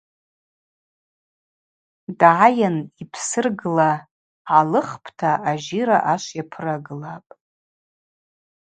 Дгӏайын, йпсыргла гӏалыхпӏта ажьира ашв йапырагылапӏ.